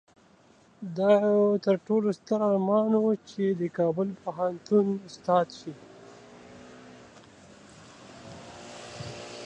د ډيوې تر ټولو ستر ارمان دا وو چې د کابل پوهنتون استاده شي